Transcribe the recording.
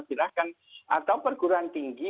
silahkan atau perguruan tinggi